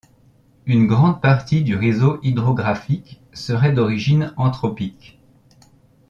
Une grande partie du réseau hydrographique serait d'origine anthropique.